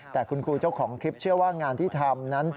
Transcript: แต่คุณครูเจ้าของคลิปเชื่อว่างานที่ทำนั้น